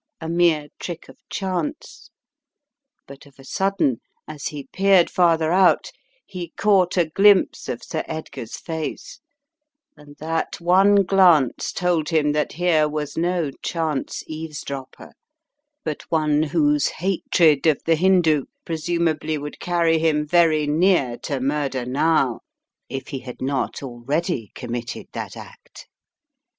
— a mere trick of chance. But of a sudden, as he peered farther out, he caught a glimpse of Sir Edgar's face, and that one glance told him that here was no chance eavesdropper, but one whose hatred of the Hindoo presumably would carry him very near to murder now, if he had not already committed that act.